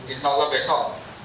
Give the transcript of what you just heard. insya allah besok